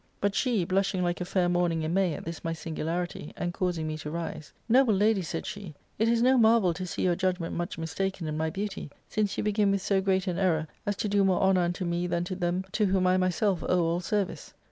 * But she, blushing like a fair morning in May at this niy singularity, and causing me to rise, * Noble lady/ sajd^he, * it is no marvel to see your judgment much mistaken in my beauty^ since youJiegin with so great an error as fcTdo more honour unto me than to jhem'to whom I myself owe all service.'